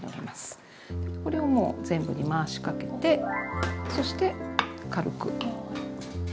これをもう全部に回しかけてそして軽く。